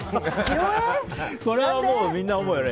これはもう、みんな思うよね